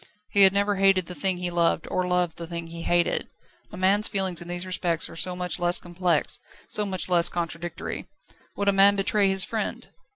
He had never hated the thing he loved or loved the thing he hated. A man's feelings in these respects are so much less complex, so much less contradictory. Would a man betray his friend?